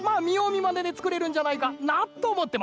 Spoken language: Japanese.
まねでつくれるんじゃないかなとおもってます。